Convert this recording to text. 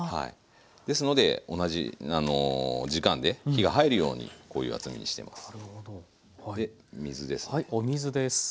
ですので同じ時間で火が入るようにこういう厚みにしています。